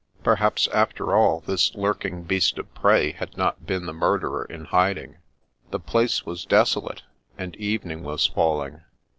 Perhaps, after all, this lurking beast of prey had iK)t been the murderer in hiding. The place was desolate, and evening was falling.